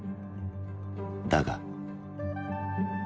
だが。